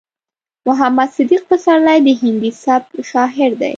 محمد صديق پسرلی د هندي سبک شاعر دی.